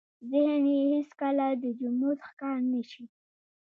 ذهن يې هېڅ کله د جمود ښکار نه شي.